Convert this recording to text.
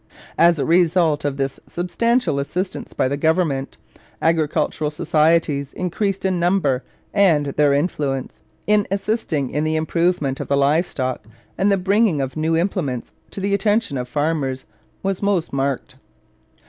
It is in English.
As a result of this substantial assistance by the government, agricultural societies increased in number, and their influence, in assisting in the improvement of the live stock and the bringing of new implements to the attention of farmers, was most marked.